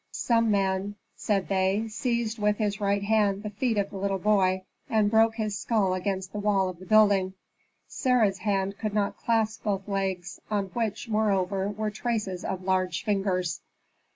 Some man, said they, seized with his right hand the feet of the little boy, and broke his skull against the wall of the building. Sarah's hand could not clasp both legs, on which, moreover, were traces of large fingers.